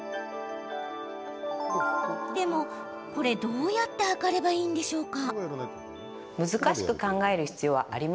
でも、どうやって量ればいいんでしょうか？